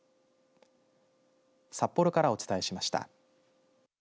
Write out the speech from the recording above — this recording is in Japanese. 札幌からお伝えしました。